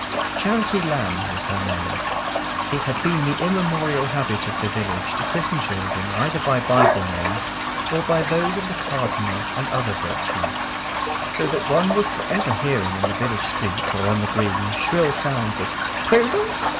Charity Lamb was her name. It had been the immemorial habit of the village to christen children either by Bible names, or by those of the cardinal and other virtues; so that one was for ever hearing in the village street or on the green, shrill sounds of "Prudence!